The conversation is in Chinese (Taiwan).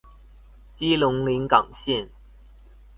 基隆臨港線